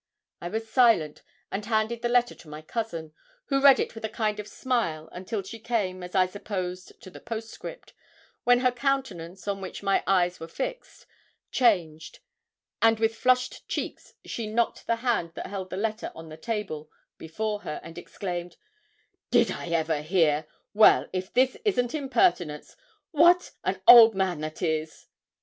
I was silent, and handed the letter to my cousin, who read it with a kind of smile until she came, as I supposed, to the postscript, when her countenance, on which my eyes were fixed, changed, and with flushed cheeks she knocked the hand that held the letter on the table before her, and exclaimed 'Did I ever hear! Well, if this isn't impertinence! What an old man that is!'